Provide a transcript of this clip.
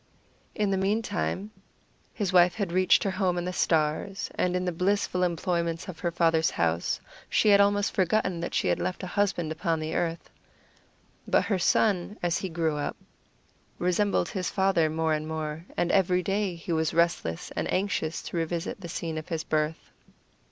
In the meantime his wife had reached her home in the stars, and in the blissful employments of her father's house she almost forgot that she had left a husband upon the earth. But her son, as he grew up, resembled his father more and more, and every day he was restless and anxious to revisit the scene of his birth.